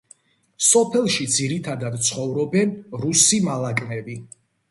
სოფელში ძირითადად ცხოვრობენ რუსი მალაკნები.